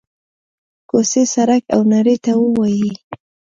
کوڅې، سړک او نړۍ ته ووايي: